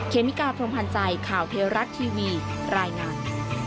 เมกาพรมพันธ์ใจข่าวเทวรัฐทีวีรายงาน